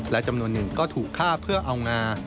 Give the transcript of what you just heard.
และจำนวนหนึ่งก็ถูกฆ่าเพื่อเอางา